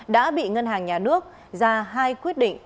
đã bị ngân hàng nhà nước ra hai quyết định